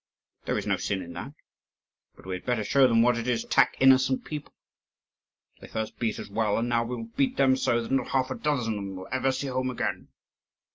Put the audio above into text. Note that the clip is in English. There is no sin in that. But we had better show them what it is to attack innocent people. They first beat us well, and now we will beat them so that not half a dozen of them will ever see home again."